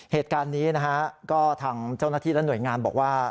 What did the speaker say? เหตุการณ์นี้นะฮะก็ทางเจ้าหน้าที่และหน่วยงานบอกว่า